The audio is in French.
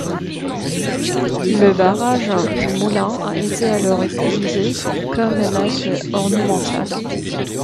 Le barrage du moulin a été alors utilisé comme lac ornemental.